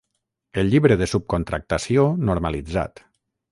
El Llibre de subcontractació normalitzat.